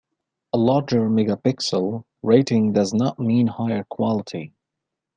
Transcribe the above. A larger megapixel rating does not mean higher quality.